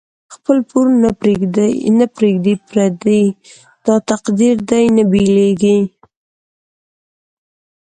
خپل پور نه پریږدی پردی، داتقدیر دی نه بیلیږی